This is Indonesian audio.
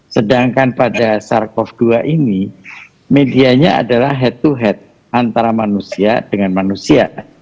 sedangkan pada sars cov dua ini medianya adalah head to head antara manusia dengan manusia